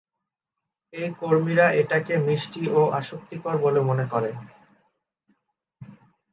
এই কর্মীরা এটাকে মিষ্টি ও আসক্তিকর বলে মনে করে।